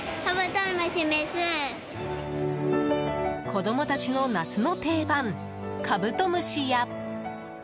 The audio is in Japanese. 子供たちの夏の定番カブトムシや。